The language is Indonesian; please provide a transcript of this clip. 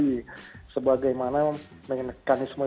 jadi sebagaimana mekanisme